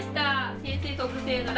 先生特製のラテ。